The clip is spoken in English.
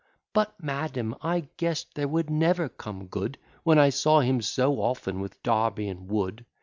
But, madam, I guess'd there would never come good, When I saw him so often with Darby and Wood.